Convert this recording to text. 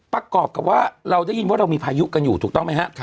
ประกอบกับว่าเราได้ยินว่าเรามีพายุกันอยู่ถูกต้องไหมฮะ